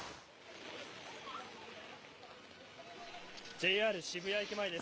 ＪＲ渋谷駅前です。